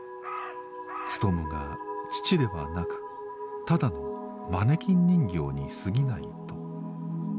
ツトムが父ではなくただのマネキン人形にすぎないと。